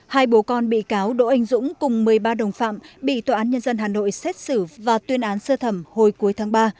hai bố con bị cáo đỗ anh dũng cùng một mươi ba đồng phạm bị tòa án nhân dân hà nội xét xử và tuyên án sơ thẩm hồi cuối tháng ba